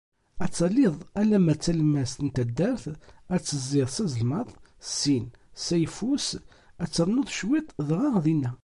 Ad taliḍ alamma d talemmast n taddert, ad tezziḍ s azelmaḍ, syin s ayeffus, ad ternuḍ cwiṭ, dɣa dinna.